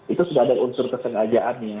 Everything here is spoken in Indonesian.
itu sudah ada unsur kesengajaannya